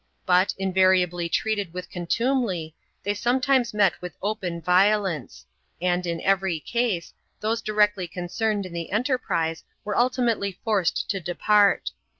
But, invariably treated with contumely, they sometimes met with open violence ; and, in every case, those directly concerned in the enterprise were ultimately forced to depart.